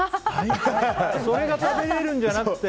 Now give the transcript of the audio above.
それが食べれるんじゃなくて。